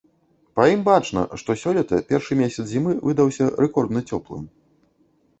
Па ім бачна, што сёлета першы месяц зімы выдаўся рэкордна цёплым.